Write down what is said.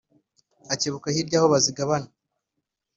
Akebuka hirya aho bazigabana